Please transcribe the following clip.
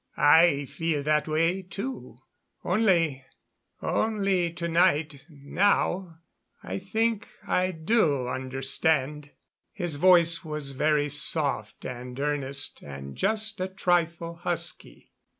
I feel it that way, too only only to night now I think I do understand." His voice was very soft and earnest and just a trifle husky.